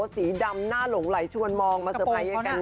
สีดำหน้าหลงไหลชวนมองมาเตอร์ไพรส์กัน